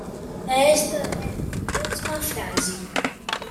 Esta é minha última frase